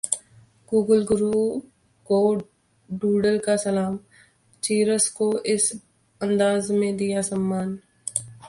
Google Guru को doodle का सलाम, टीचर्स को इस अंदाज में दिया सम्मान